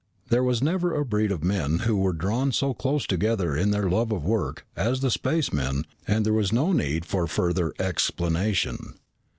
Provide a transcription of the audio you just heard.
There was never a breed of men who were drawn so close together in their love of work as the spacemen and there was no need for further explanation.